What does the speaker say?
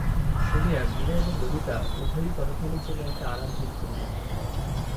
শুনিয়া বিনয় এবং ললিতা উভয়েই ক্ষণকালের জন্য একটা আরাম বোধ করিল।